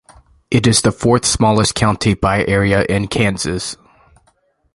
It is the fourth-smallest county by area in Kansas.